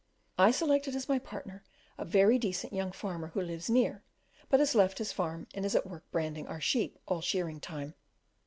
I selected as my partner a very decent young farmer who lives near, but has left his farm and is at work branding our sheep all shearing time.